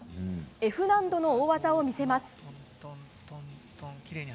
Ｆ難度の大技を見せます。